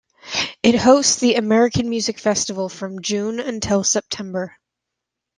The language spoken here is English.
It hosts the American Music Festival from June until September.